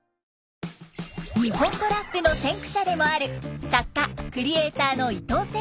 日本語ラップの先駆者でもある作家クリエーターのいとうせいこうさん。